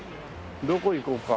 どこ行こうか。